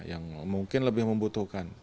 yang mungkin lebih membutuhkan